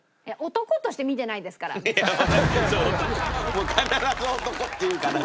もう必ず「男」って言うからね。